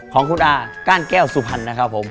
ของคุณอาก้านแก้วสุพรรณนะครับผม